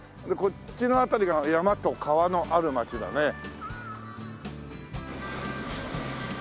でこっちの辺りが山と川のある町だね。